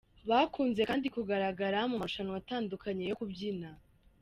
Bakunze kandi kugaragara mu marushanwa atandukanye yo kubyina.